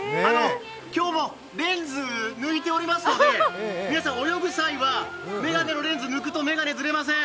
今日もレンズ抜いておりますので皆さん、泳ぐ際は眼鏡のレンズを抜くと眼鏡ずれません。